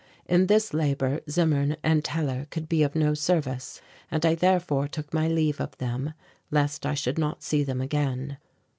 In this labour Zimmern and Hellar could be of no service and I therefore took my leave of them, lest I should not see them again.